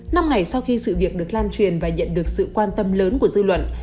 năm ngày sau khi sự việc được lan truyền và nhận được sự quan tâm lớn của dư luận